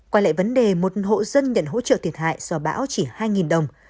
quay lại vấn đề một hộ dân nhận hỗ trợ thiệt hại do bão chỉ hai đồng